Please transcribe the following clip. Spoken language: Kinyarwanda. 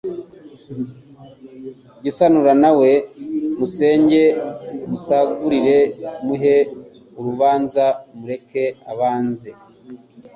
Gisanura Na we musenge musagurire Muhe urubanza mureke abanze